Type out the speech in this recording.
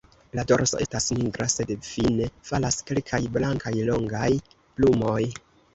La dorso estas nigra, sed fine falas kelkaj blankaj longaj plumoj.